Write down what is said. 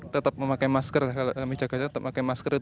tetap memakai masker